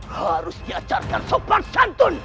harus diajarkan sopan santun